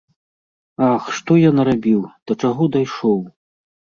Ах, што я нарабіў, да чаго дайшоў!